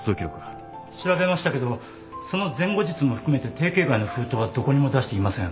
調べましたけどその前後日も含めて定形外の封筒はどこにも出していません。